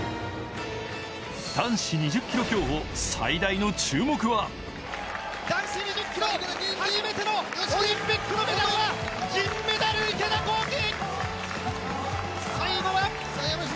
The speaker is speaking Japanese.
男子２０ｋｍ競歩最大の注目は男子２０ｋｍ、初めてのオリンピックのメダルは銀メダル池田向希。